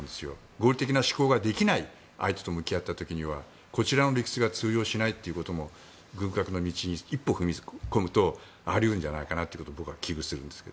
合理的な思考ができない相手と向き合った時にはこちらの理屈が通用しないということも軍拡の道に一歩踏み込むとあり得るのではないかなと危惧するんですが。